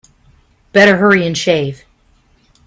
Better hurry and shave.